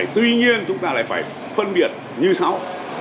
tuy nhiên chúng ta lại phải phân biệt như sau